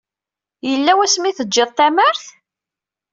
Yella wasmi teǧǧiḍ tamart?